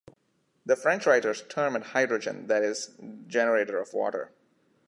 The French writers term it hydrogen, that is, generator of water.